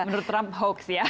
menurut trump hoax ya